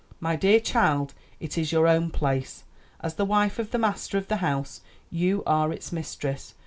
"My dear child, it is your own place; as the wife of the master of the house, you are its mistress.